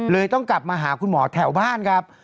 ต้องกลับมาหาคุณหมอแถวบ้านครับ